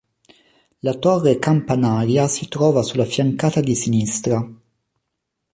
La torre campanaria si trova sulla fiancata di sinistra.